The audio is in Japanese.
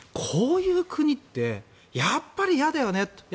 こういう国ってやはり嫌だよねと。